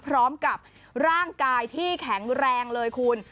พร้อมกับร่างกายที่แข็งแรงเลยคุณ